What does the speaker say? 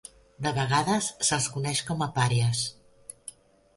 De vegades, se'ls coneix com a pàries.